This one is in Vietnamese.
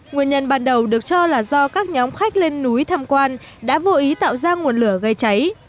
nguyên nhân ban đầu được cho là do các nhóm khách lên núi tham quan đã vô ý tạo ra nguồn lửa gây cháy